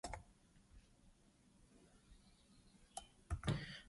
قلم د تاریخ سند لیکي